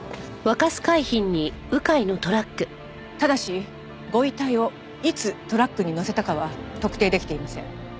ただしご遺体をいつトラックにのせたかは特定できていません。